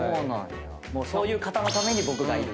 そういう方のために僕がいる。